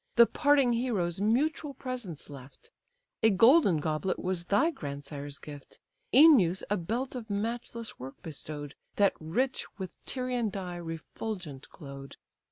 The parting heroes mutual presents left; A golden goblet was thy grandsire's gift; Œneus a belt of matchless work bestowed, That rich with Tyrian dye refulgent glow'd.